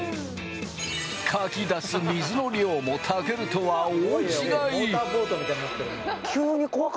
かき出す水の量も、たけるとは大違い！